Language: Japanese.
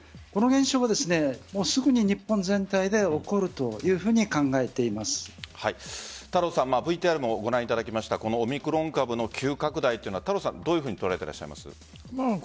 この現象はもうすぐに日本全体で起こるＶＴＲもご覧いただきましたオミクロン株の急拡大というのはどういうふうに捉えていらっしゃいます？